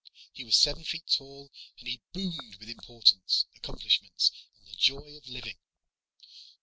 He was seven feet tall, and he boomed with importance, accomplishments, and the joy of living.